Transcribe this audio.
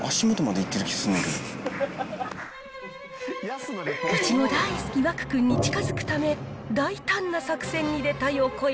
いちご大好き湧くんに近づくため、大胆な作戦に出た横山。